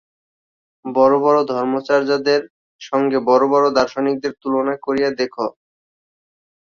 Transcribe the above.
বড় বড় ধর্মাচার্যদের সঙ্গে বড় বড় দার্শনিকদের তুলনা করিয়া দেখ।